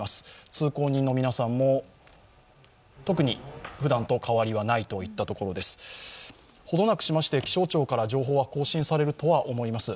通行人の皆さんも特にふだんと変わりはないといったところですほどなくしまして、気象庁から情報が更新されるとは思います。